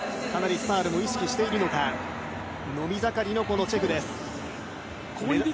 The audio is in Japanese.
スタールをかなり意識しているのか、伸び盛りのチェフです。